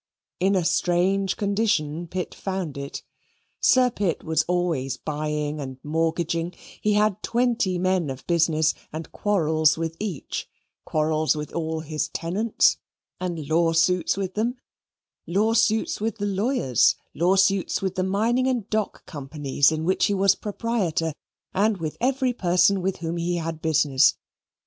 In a strange condition Pitt found it. Sir Pitt was always buying and mortgaging; he had twenty men of business, and quarrels with each; quarrels with all his tenants, and lawsuits with them; lawsuits with the lawyers; lawsuits with the Mining and Dock Companies in which he was proprietor; and with every person with whom he had business.